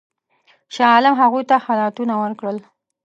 شاه عالم هغوی ته خلعتونه ورکړل.